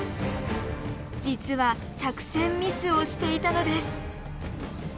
実は作戦ミスをしていたのです。